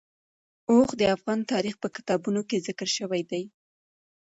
اوښ د افغان تاریخ په کتابونو کې ذکر شوی دي.